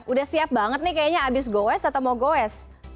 udah siap banget nih kayaknya abis goes atau mau goes